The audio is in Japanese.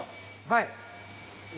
はい。